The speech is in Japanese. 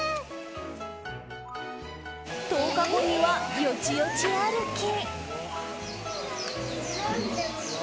１０日後には、よちよち歩き。